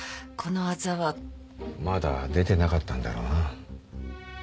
まだ出てなかったんだろうな。